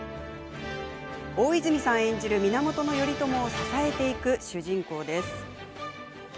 大泉さん演じる源頼朝を支えていく主人公です。